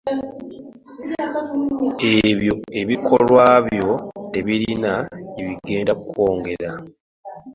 Ebyo ebikolwa byo tebirina jebigenda kwongera.